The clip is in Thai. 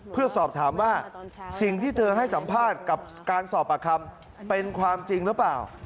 เพื่อสอบถามว่าสิ่งที่เธอให้สัมภาษณ์กับการสอบปากคำเป็นความจริงหรือเปล่า